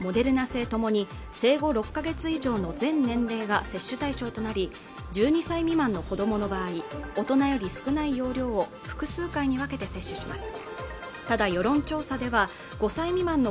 製ともに生後６か月以上の全年齢が接種対象となり１２歳未満の子どもの場合大人より少ない容量を複数回に分けて接種します